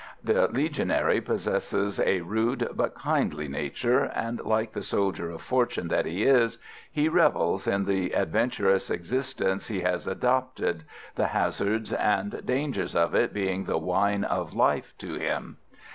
The Legionary possesses a rude but kindly nature, and, like the soldier of fortune that he is, he revels in the adventurous existence he has adopted, the hazards and dangers of it being the wine of life to him.